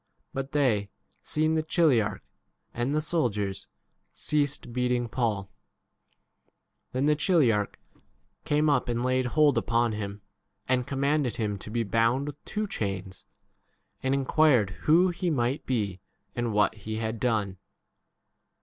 But they, seeing the chiliarch and the soldiers, ceased 33 beating Paul. Then the chiliarch came up and laid hold upon him, and commanded him to be bound with two chains, and inquired who he might be and what he had 34 done.